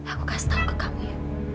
aku kasih tahu ke kamu ya